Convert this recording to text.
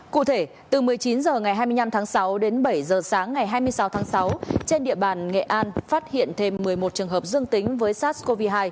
cụ thể từ một mươi chín h ngày hai mươi năm tháng sáu đến bảy h sáng ngày hai mươi sáu tháng sáu trên địa bàn nghệ an phát hiện thêm một mươi một trường hợp dương tính với sars cov hai